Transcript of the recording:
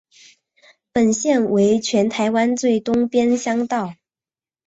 本线为全台湾最东边乡道。